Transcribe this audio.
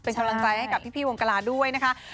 เป็นกำลังใจให้กับพี่วงกลาด้วยนะคะ